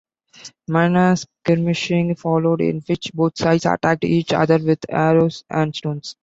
Minor skirmishing followed in which both sides attacked each other with arrows and stones.